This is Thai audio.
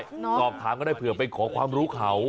กรอบค้างก็ได้กรอบค้างก็ได้เผื่อไปขอความรู้เขา